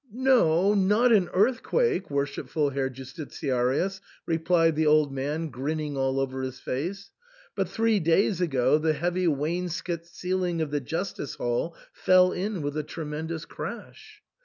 " No, not an earthquake, worshipful Herr Justitiarius," replied the old man, grinning all over his face, " but three days ago the heavy wainscot ceiling of the justice hall fell in with a tremendous crash."